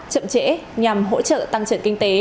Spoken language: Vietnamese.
chậm trễ nhằm hỗ trợ tăng trưởng kinh tế